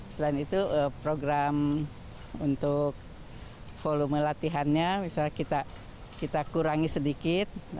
selain itu program untuk volume latihannya bisa kita kurangi sedikit